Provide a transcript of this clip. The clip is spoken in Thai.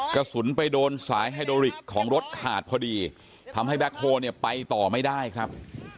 กระสุนไปโดนสายไฮโดริกของรถขาดพอดีทำให้ไปต่อไม่ได้ครับ